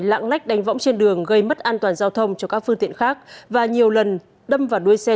lạng lách đánh võng trên đường gây mất an toàn giao thông cho các phương tiện khác và nhiều lần đâm vào đuôi xe